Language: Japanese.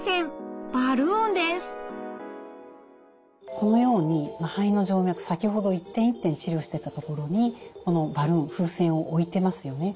このように肺の静脈先ほど一点一点治療してた所にこのバルーン風船を置いてますよね。